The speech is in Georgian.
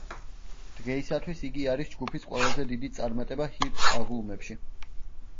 დღეისათვის იგი არის ჯგუფის ყველაზე დიდი წარმატება ჰიტ-აღლუმებში.